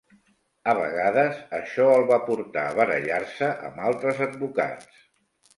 A vegades, això el va portar a barallar-se amb altres advocats.